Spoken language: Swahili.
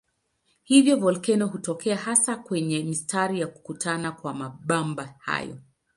Hivyo volkeno hutokea hasa kwenye mistari ya kukutana kwa mabamba hayo.